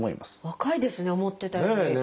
若いですね思ってたより。